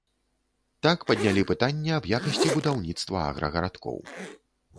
Так паднялі пытанне аб якасці будаўніцтва аграгарадкоў.